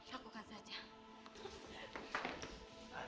jangan banyak pertanyaan